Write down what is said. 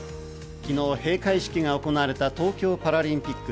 昨日、閉会式が行われた東京パラリンピック。